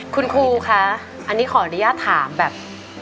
คุณครูคะอันนี้ขออนุญาตถามแบบ